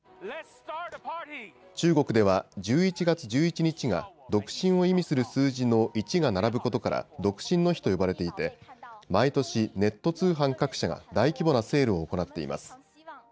中国では１１月１１日が独身を意味する数字の１が並ぶことから独身の日と呼ばれていて毎年、ネット通販各社が大規模なセールを行っています。